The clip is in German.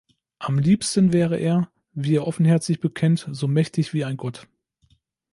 Am liebsten wäre er, wie er offenherzig bekennt, so mächtig wie ein Gott.